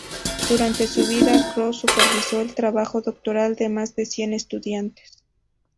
Durante su vida, Cross supervisó el trabajo doctoral de más de cien estudiantes.